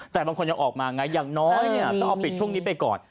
แต่บางคนยังออกมาไงอย่างน้อยเนี่ยต้องเอาปิดช่วงนี้ไปก่อน